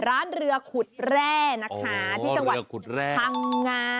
ร้านเรือขุดแร่นะคะที่จังหวัดพังงา